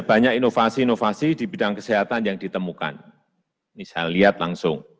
banyak inovasi inovasi di bidang kesehatan yang ditemukan